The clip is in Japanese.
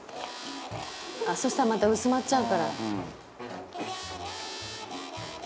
「そしたらまた薄まっちゃうから」